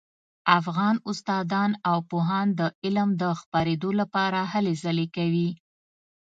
افغان استادان او پوهان د علم د خپریدو لپاره هلې ځلې کوي